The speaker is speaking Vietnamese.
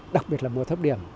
đặc biệt là mùa thấp điểm